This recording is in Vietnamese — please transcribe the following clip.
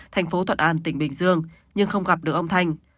thành phố thuận an tỉnh bình dương nhưng không gặp được ông thanh